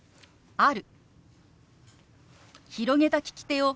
「ある」。